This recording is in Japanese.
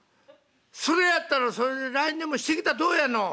「それやったらそれでＬＩＮＥでもしてきたらどうやの！